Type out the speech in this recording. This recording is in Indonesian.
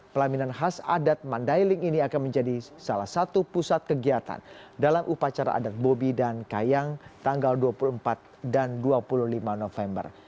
pelaminan khas adat mandailing ini akan menjadi salah satu pusat kegiatan dalam upacara adat bobi dan kayang tanggal dua puluh empat dan dua puluh lima november